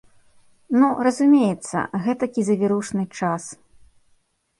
Ну, разумеецца, гэтакі завірушны час.